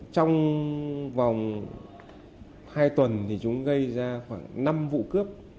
trong vòng hai tuần thì chúng gây ra khoảng năm vụ cướp